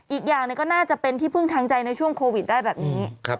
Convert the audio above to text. อีกอย่างก็น่าจะเป็นที่พึ่งทางใจในช่วงโควิดได้แบบนี้